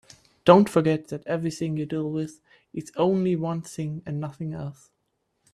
Don't forget that everything you deal with is only one thing and nothing else.